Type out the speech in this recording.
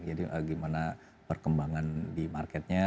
jadi bagaimana perkembangan di marketnya